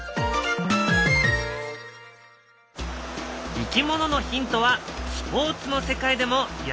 いきもののヒントはスポーツの世界でも役立っている。